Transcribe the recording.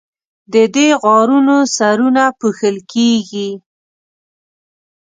د دې غارونو سرونه پوښل کیږي.